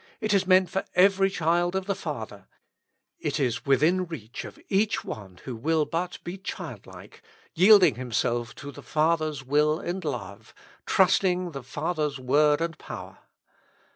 It is meant for every child of the Father; it is within reach of each one who will but be childlike, yielding himself to the Father's Will and Love, trusting the Father's Word and Power.